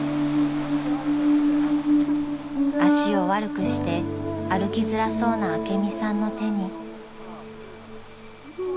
［足を悪くして歩きづらそうな朱美さんの手に］